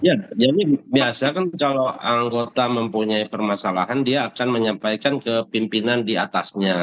ya jadi biasa kan kalau anggota mempunyai permasalahan dia akan menyampaikan ke pimpinan diatasnya